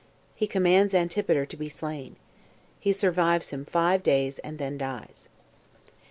He Commands Antipater To Be Slain. He Survives Him Five Days And Then Dies.